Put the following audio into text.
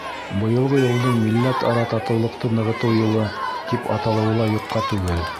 Быйылғы йылдың Милләт-ара татыулыҡты нығытыу йылы тип аталыуы ла юҡҡа түгел.